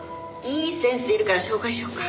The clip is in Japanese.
いい先生いるから紹介しようか？